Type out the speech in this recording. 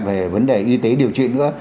về vấn đề y tế điều trị nữa